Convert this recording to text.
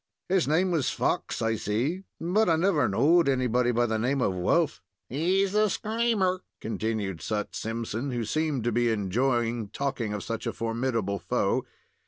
His name was Fox, I say, but I never knowed anybody by the name of Wolf." "He's a screamer," continued Sut Simpson, who seemed to enjoy talking of such a formidable foe.